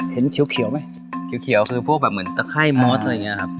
เห็นเขียวเขียวไหมเขียวเขียวคือพวกแบบเหมือนตะไคร่มอสอะไรอย่างเงี้ยครับ